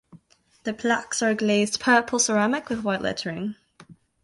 The plaques are glazed purple ceramic with white lettering.